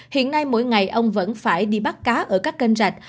hiện nay mỗi ngày ông vẫn phải đi bắt cá ở các kênh rạch